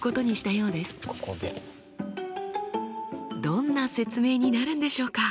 どんな説明になるんでしょうか。